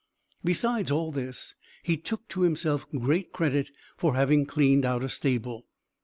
Besides all this, he took to himself great credit for having cleaned out a stable.